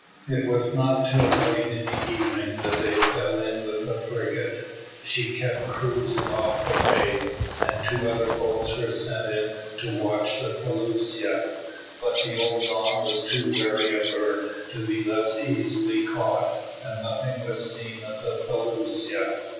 It was not till late in the evening that they fell in with the frigate. She kept cruising off the bay, and two other boats were sent in to watch for the felucca; but the old Don was too wary a bird to be thus easily caught, and nothing was seen of the felucca.